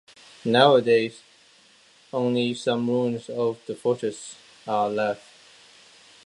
Nowadays, only some ruins of the fortress are left.